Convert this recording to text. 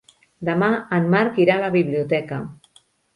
Demà en Marc irà a la biblioteca.